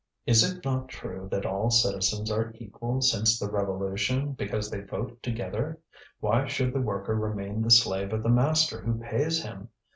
Is it not true that all citizens are equal since the Revolution, because they vote together? Why should the worker remain the slave of the master who pays him?